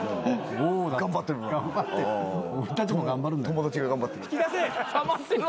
友達が頑張ってる。